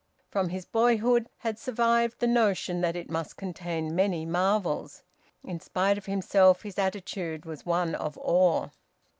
From his boyhood had survived the notion that it must contain many marvels. In spite of himself his attitude was one of awe.